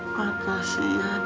makasih ya nek